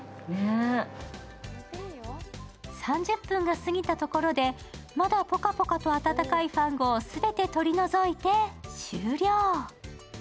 ３０分がすぎたところでまだポカポカと暖かいファンゴを全て取り除いて終了。